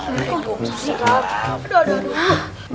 aduh aduh aduh